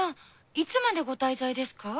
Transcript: いつまでご滞在ですか？